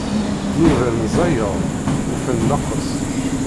Nudan zzayed, ufan nnaqes.